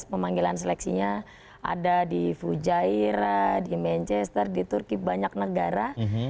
dua ribu lima belas pemanggilan seleksinya ada di fujairah di manchester di turki banyak negara